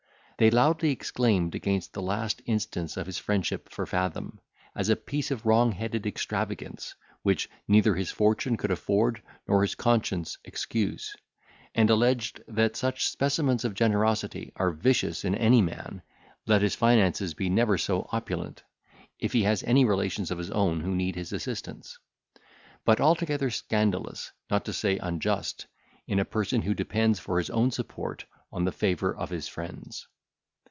They loudly exclaimed against the last instance of his friendship for Fathom, as a piece of wrong headed extravagance, which neither his fortune could afford nor his conscience excuse; and alleged that such specimens of generosity are vicious in any man, let his finances be never so opulent, if he has any relations of his own who need his assistance; but altogether scandalous, not to say unjust, in a person who depends for his own support on the favour of his friends.